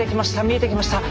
見えてきました。